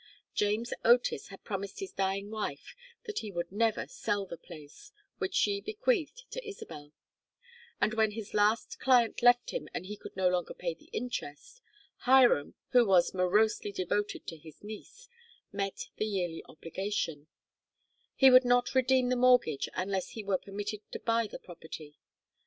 James Otis had promised his dying wife that he would never sell the place, which she bequeathed to Isabel; and when his last client left him and he could no longer pay the interest, Hiram, who was morosely devoted to his niece, met the yearly obligation: he would not redeem the mortgage unless he were permitted to buy the property.